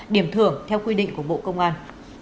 điểm thưởng theo quy định của bộ công an